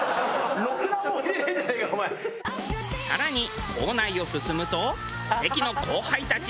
更に校内を進むと関の後輩たち